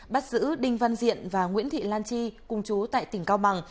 bắt giữ đinh văn diện và nguyễn thị lan chi cùng chú tại tỉnh cao bằng